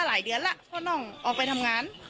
หลายเดือนแล้วเพราะน้องออกไปทำงาน